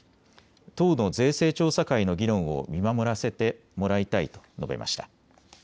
党の税制調査会の議論を見守らせてもらいたいと述べました。